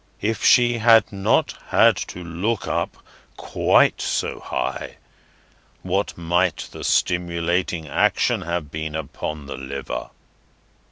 If she had not had to look up quite so high, what might the stimulating action have been upon the liver?"